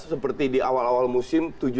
seperti di awal awal musim